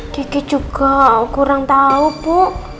gigi juga kurang tahu bu